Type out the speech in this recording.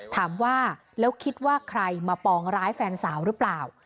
ถามว่าแล้วคิดว่าใครมาปองร้ายแฟนสาวหรือเปล่า